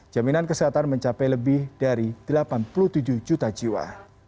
jaminan kesehatan mencapai lebih dari delapan puluh tujuh juta jiwa